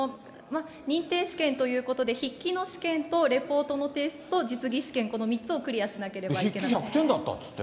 認定試験ということで、筆記の試験とレポートの提出と実技試験、この３つをクリアしなければいけなくて。